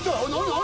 何？